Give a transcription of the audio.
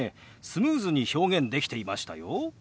スムーズに表現できていましたよ。